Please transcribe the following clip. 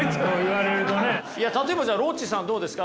例えばじゃあロッチさんどうですか？